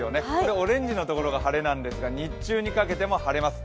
オレンジの所が晴れなんですが日中にかけても晴れます。